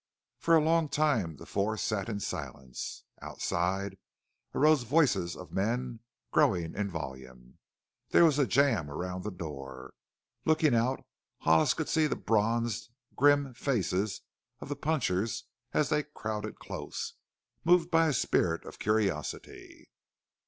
For a long time the four sat in silence. Outside arose voices of men growing in volume. There was a jam around the door; looking out Hollis could see the bronzed, grim faces of the punchers as they crowded close, moved by a spirit of curiosity.